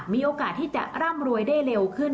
มีโอกาสที่จะร่ำรวยได้เร็วขึ้น